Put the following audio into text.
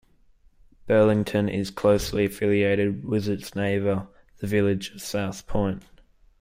Burlington is closely affiliated with its neighbor, the village of South Point.